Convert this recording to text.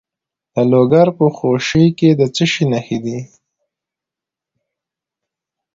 د لوګر په خوشي کې د څه شي نښې دي؟